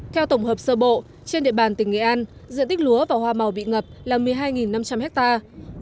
theo tổng hợp sơ bộ trên địa bàn tỉnh nghệ an diện tích lúa và hoa màu bị ngập là một mươi hai năm trăm linh hectare